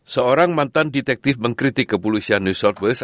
seorang mantan detektif mengkritik kepolisian news service